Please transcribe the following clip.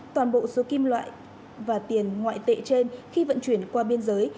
toàn bộ số kim loại và tiền ngoại tệ trên khi vận chuyển qua biên giới